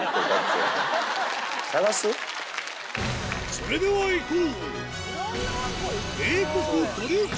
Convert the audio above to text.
それではいこう！